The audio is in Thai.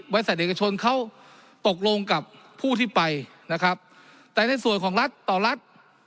เอกชนเขาตกลงกับผู้ที่ไปนะครับแต่ในส่วนของรัฐต่อรัฐ